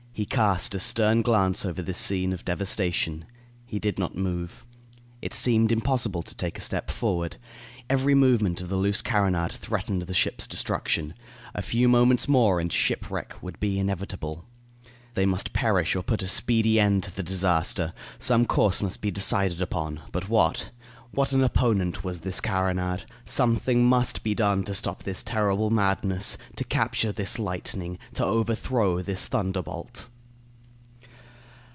He cast a stern glance over this scene of devastation. He did not move. It seemed impossible to take a step forward. Every movement of the loose carronade threatened the ship's destruction. A few moments more and shipwreck would be inevitable. They must perish or put a speedy end to the disaster; some course must be decided on; but what? What an opponent was this carronade! Something must be done to stop this terrible madness to capture this lightning to overthrow this thunderbolt.